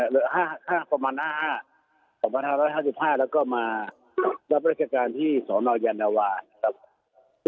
แล้วก็มารับรัฐการณ์ที่สนยันต์นาวาส